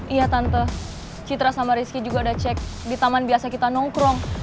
iya tante citra sama rizky juga udah cek di taman biasa kita nongkrong